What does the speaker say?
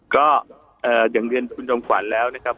ก็อย่างเรียนคุณจอมขวัญแล้วนะครับ